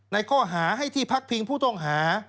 ในข้อหาให้ที่พักพิงผู้ต้องหา